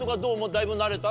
だいぶ慣れた？